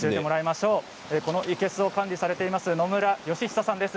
生けすを管理されている野村佳寿さんです。